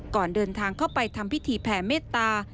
ก่อนเดินทางเข้าไปทำพิธีแผ่เมตตา